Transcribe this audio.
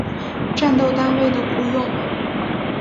战斗单位的雇用。